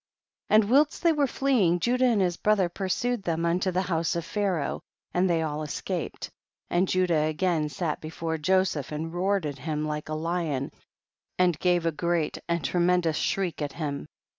46. And whilst they were fleeing Judah and his brethren pursued them unto the house of Pharaoh, and they all escaped, and Judah again sat be fore Joseph and roared at him hke a lion, and gave a great and tremen dous shriek at him.